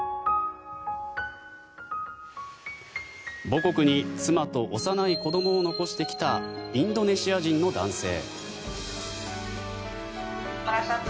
母国に妻と幼い子どもを残してきたインドネシア人の男性。